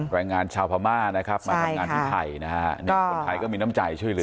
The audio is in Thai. แรงงานชาวพม่านะครับมาทำงานที่ไทยนะฮะนี่คนไทยก็มีน้ำใจช่วยเหลือ